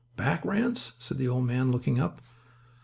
"Back, Ranse?" said the old man, looking up.